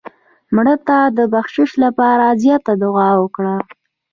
مړه ته د بخشش لپاره زیات دعا وکړه